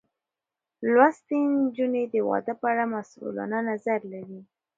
لوستې نجونې د واده په اړه مسؤلانه نظر لري.